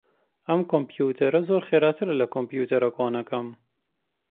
ئەم کۆمپیوتەرە زۆر خێراترە لە کۆمپیوتەرە کۆنەکەم.